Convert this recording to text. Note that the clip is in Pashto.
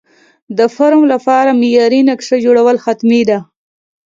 د فارم لپاره معیاري نقشه جوړول حتمي ده.